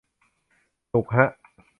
หนุกฮะ